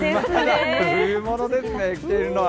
冬物ですね、着ているのは。